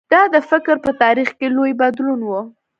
دا د فکر په تاریخ کې لوی بدلون و.